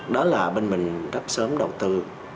đó là bên mình rất sớm đầu tư